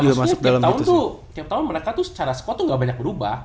iya maksudnya tiap tahun tuh tiap tahun mereka secara squad tuh ga banyak berubah